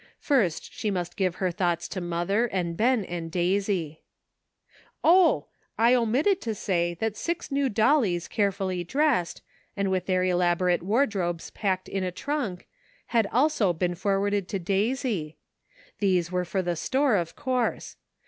First, she must give her thoughts to mother and Ben and Daisy. Oh ! I omitted to say that six new dollies carefully dressed, and with their elaborate ward robes packed in a trunk, had also been for warded to Daisy. These were for the store, of course.